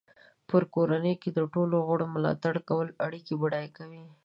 په کورنۍ کې د ټولو غړو ملاتړ کول اړیکې بډای کوي.